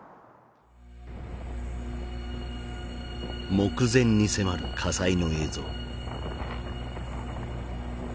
目前に迫る火災の映像。